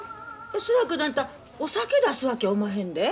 そやけどあんたお酒出すわけやおまへんで。